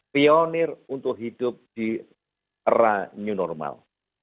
pionir untuk hidup di era new normal